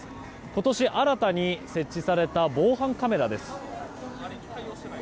今年新たに設置された防犯カメラです。